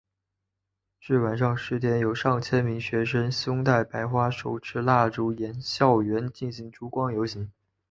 至晚上十点有上千名学生胸带白花手持蜡烛沿校园进行烛光游行。